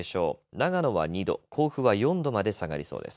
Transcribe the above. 長野は２度、甲府は４度まで下がりそうです。